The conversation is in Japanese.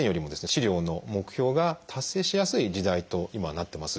治療の目標が達成しやすい時代と今はなってます。